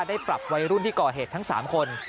ได้ปรับวัยรุ่นที่ก่อเหตุทั้ง๓คน